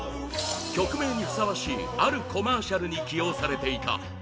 曲名にふさわしいあるコマーシャルに起用されていた。